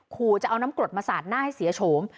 ขู่จะเอาน้ำกรดมาสาดหน้าให้เสียโฉม